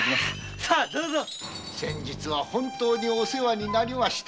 先日はお世話になりました。